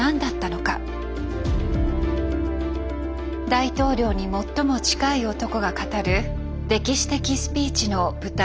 大統領に最も近い男が語る歴史的スピーチの舞台裏とは。